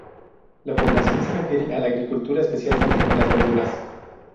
La población se refiere a la agricultura, especialmente con las verduras.